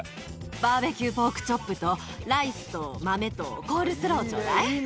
バーベキューポークチョップと、ライスと豆とコールスローちょうだい。